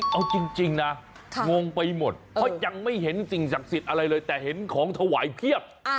เอาจริงนะงงไปหมดเพราะยังไม่เห็นสิ่งศักดิ์สิทธิ์อะไรเลยแต่เห็นของถวายเพียบ